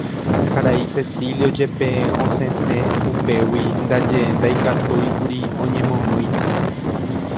Karai Cecilio jepe osẽse upégui ndaje ndaikatúikuri oñemomýi.